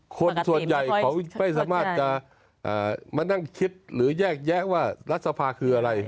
คนส่วนใหญ่เขาไม่สามารถจะมานั่งคิดหรือแยกแยะว่ารัฐสภาคืออะไร